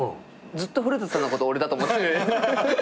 ずっと古田さんのこと俺だと思って。